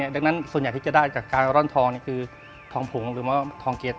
ดังนั้นส่วนใหญ่ที่จะได้จากการร่อนทองคือทองผงหรือว่าทองเกียร